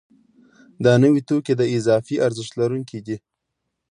دا نوي توکي د اضافي ارزښت لرونکي دي